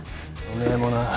おめえもな。